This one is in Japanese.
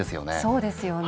そうですよね。